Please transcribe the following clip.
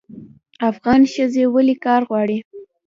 افغان ښځې ولې کار غواړي؟